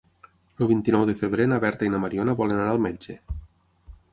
El vint-i-nou de febrer na Berta i na Mariona volen anar al metge.